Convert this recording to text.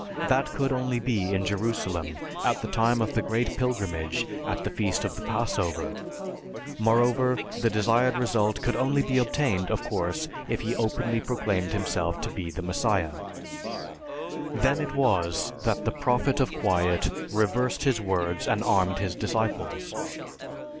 That could only be in Jerusalem, at the time of the great pilgrimage at the feast of the Passover. Moreover, the desired result could only be obtained of course if he openly proclaimed himself to be the Messiah. Then it was that the Prophet of quiet reversed his words and armed his disciples.